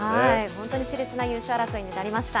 本当にしれつな優勝争いになりました。